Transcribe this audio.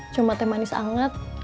cuma teh manis anget